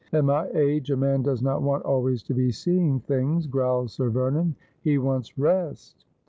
' At my age a man does not want always to be seeing things, growled Sir Vernon ;' he wants rest.'